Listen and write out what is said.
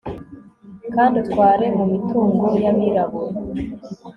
kandi utware mumitungo yabirabura